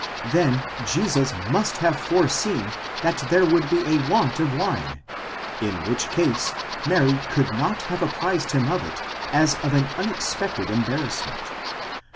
Then Jesus must have foreseen that there would be a want of wine, in which case Mary could not have apprised him of it as of an unexpected embarrassment.